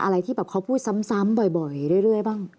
อะไรที่แบบเขาพูดซ้ำบ่อยเรื่อยบ้าง